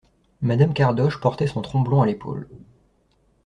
Madame Cardoche portait son tromblon à l'épaule.